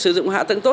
sử dụng hạ tầng tốt